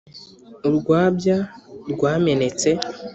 Urwabya rwamenetse.